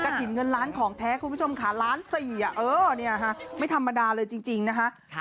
ถิ่นเงินล้านของแท้คุณผู้ชมค่ะล้านสี่ไม่ธรรมดาเลยจริงนะคะ